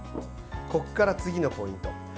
ここから次のポイント。